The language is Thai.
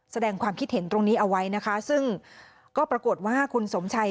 แสดงความคิดเห็นตรงนี้เอาไว้นะคะซึ่งก็ปรากฏว่าคุณสมชัย